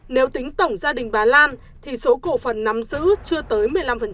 nếu tính tổng gia đình bà lan thì số cổ phần nắm giữ chưa tới một mươi năm